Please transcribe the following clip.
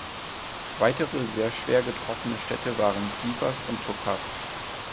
Weitere sehr schwer getroffene Städte waren Sivas und Tokat.